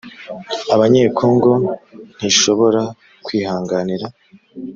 abanyekongo ntishobora kwihanganira